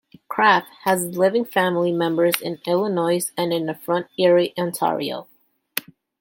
Kraft has living family members in Illinois and in Fort Erie, Ontario.